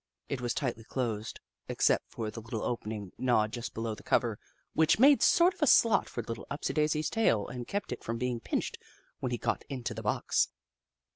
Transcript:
It was tightly closed, except for the little opening gnawed just below the cover, which made sort of a slot for Little Upsidaisi's tail and kept it from being pinched when he got into the box.